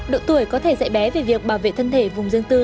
độ tuổi có thể dạy bé về việc bảo vệ thân thể vùng dương tư